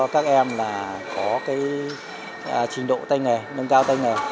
có trình độ tay nghề nâng cao tay nghề